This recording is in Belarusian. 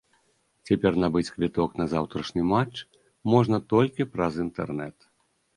Цяпер набыць квіток на заўтрашні матч можна толькі праз інтэрнэт.